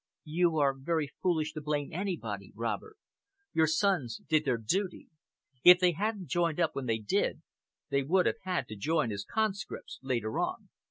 "You are very foolish to blame anybody, Robert. Your sons did their duty. If they hadn't joined up when they did, they would have had to join as conscripts later on."